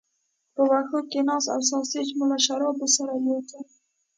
په وښو کې ناست او ساسیج مو له شرابو سره یو ځای.